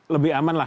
lebih aman lah